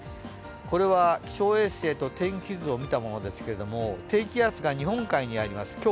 これは気象衛星と天気図を見たものですけど低気圧が日本海にあります。